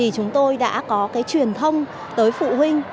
chúng tôi đã có truyền thông tới phụ huynh